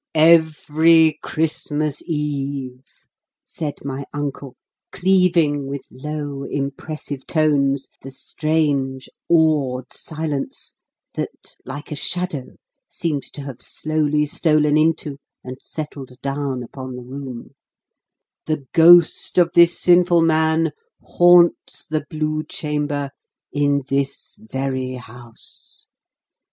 "Every Christmas Eve," said my uncle, cleaving with low impressive tones the strange awed silence that, like a shadow, seemed to have slowly stolen into and settled down upon the room, "the ghost of this sinful man haunts the Blue Chamber, in this very house.